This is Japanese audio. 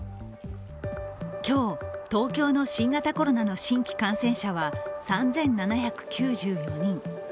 今日、東京の新型コロナの新規感染者は３７９４人。